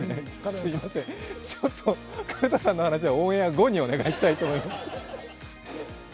ちょっと金田さんの話はオンエア後にお願いしたいと思います。